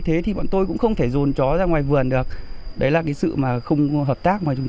thế thì bọn tôi cũng không thể dồn chó ra ngoài vườn được đấy là cái sự mà không hợp tác mà chúng